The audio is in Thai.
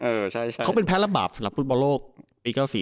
เออใช่ใช่เขาเป็นแพ้ละบาปสำหรับฟุตบอลโลกปีเก้าสี่